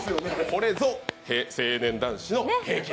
これぞ成年男子の平均。